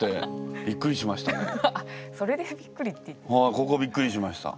ここびっくりしました。